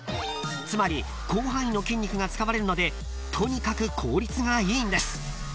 ［つまり広範囲の筋肉が使われるのでとにかく効率がいいんです］